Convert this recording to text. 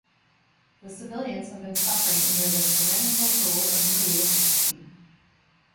The civilians have been suffering under the tyrannical rule of Louis, the sixteenth.